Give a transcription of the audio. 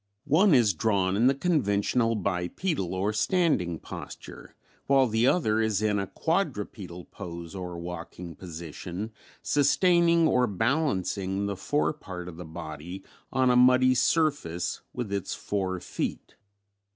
One is drawn in the conventional bipedal or standing posture while the other is in a quadrupedal pose or walking position, sustaining or balancing the fore part of the body on a muddy surface with its fore feet.